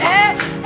keeran berasa nukar